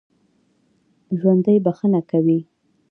ژوندي بښنه کوي